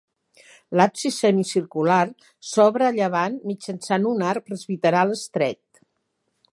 L'absis semicircular s'obre a llevant mitjançant un arc presbiteral estret.